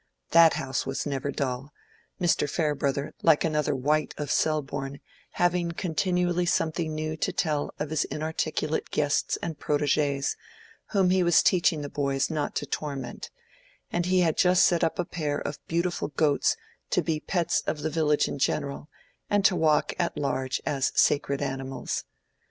That house was never dull, Mr. Farebrother, like another White of Selborne, having continually something new to tell of his inarticulate guests and proteges, whom he was teaching the boys not to torment; and he had just set up a pair of beautiful goats to be pets of the village in general, and to walk at large as sacred animals.